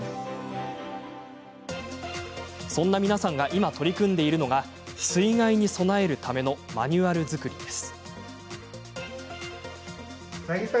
そんな皆さんが今、取り組んでいるのが水害に備えるためのマニュアル作りです。